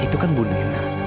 itu kan bunda hina